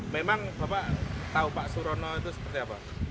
memang bapak tahu pak surono itu seperti apa